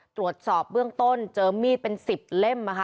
ตรวจสอบเบื้องต้นเจอมีดเป็น๑๐เล่มนะคะ